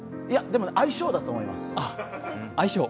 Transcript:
でも相性だと思います。